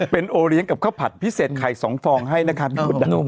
เป็นโอเลี้ยงกับข้าวผัดพิเศษไข่๒ฟองให้นะคะพี่มดดำ